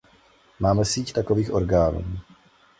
Máme síť takových orgánů.